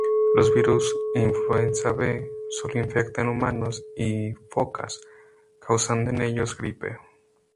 Los Virus influenza B solo infectan humanos y focas, causando en ellos gripe.